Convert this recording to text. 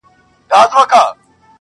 او استدلال کوي چې